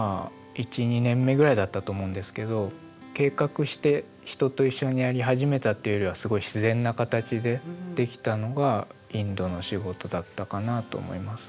１２年目ぐらいだったと思うんですけど計画して人と一緒にやり始めたっていうよりはすごく自然な形でできたのがインドの仕事だったかなと思います。